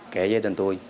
kể với đàn tôi